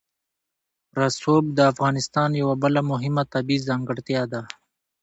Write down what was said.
رسوب د افغانستان یوه بله مهمه طبیعي ځانګړتیا ده.